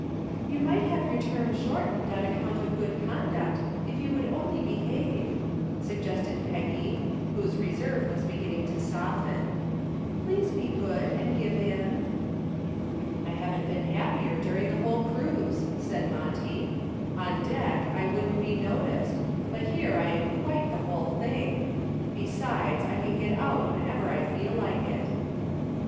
"You might have your term shortened on account of good conduct if you would only behave," suggested Peggy, whose reserve was beginning to soften. "Please be good and give in." "I haven't been happier during the whole cruise," said Monty. "On deck I wouldn't be noticed, but here I am quite the whole thing. Besides I can get out whenever I feel like it."